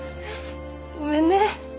ごめんね。